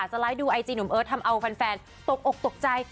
สไลด์ดูไอจีหนุ่มเอิิิสทำเอาพันธุ์แฟนตกอกตกใจ